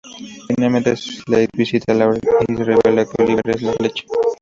Finalmente, Slade visita a Laurel y le revela que Oliver es la Flecha.